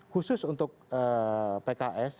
khusus untuk pks